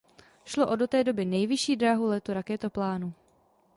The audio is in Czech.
Šlo o do té doby nejvyšší dráhu letu raketoplánu.